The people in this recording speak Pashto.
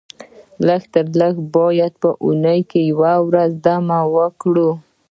لږ تر لږه باید په اونۍ کې یوه ورځ دمه وکړو